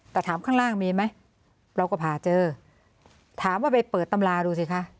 แต่ถามข้างล่างมีไหมเราก็ผ่าเจอถามว่าไปเปิดตำราดูสิคะ